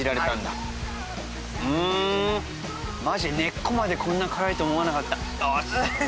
はいうんマジ根っこまでこんな辛いと思わなかったあっ